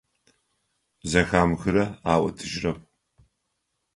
Зэхамыхырэ аӏотэжьырэп.